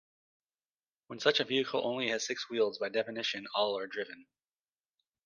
When such a vehicle only has six wheels by definition all are driven.